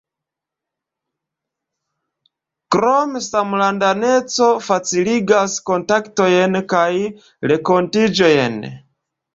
Krome, samlandaneco faciligas kontaktojn kaj renkontiĝojn.